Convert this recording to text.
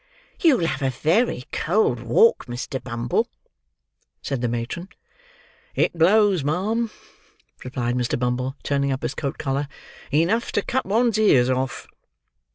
"You'll have a very cold walk, Mr. Bumble," said the matron. "It blows, ma'am," replied Mr. Bumble, turning up his coat collar, "enough to cut one's ears off."